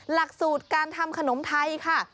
หลักสูตรการทำขนมไทยค่ะ